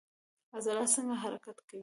عضلات څنګه حرکت کوي؟